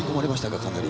かなり。